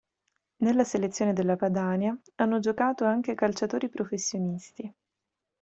Nella selezione della Padania hanno giocato anche calciatori professionisti.